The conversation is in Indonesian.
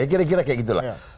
kira kira kayak gitu lah